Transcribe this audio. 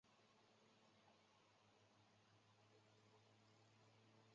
所用的传热介质称为热载体。